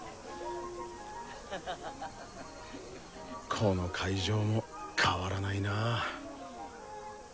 この会場も変わらないな。